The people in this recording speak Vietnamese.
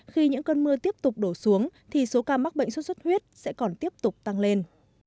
khi những cơn mưa tiếp tục đổ xuống thì số ca mắc bệnh sốt xuất huyết sẽ còn tiếp tục tăng lên